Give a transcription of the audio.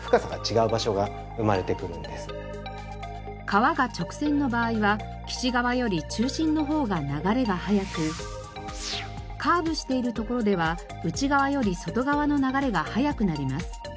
川が直線の場合は岸側より中心の方が流れが速くカーブしている所では内側より外側の流れが速くなります。